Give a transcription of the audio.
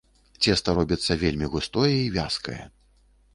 Цеста робіцца вельмі густое й вязкае.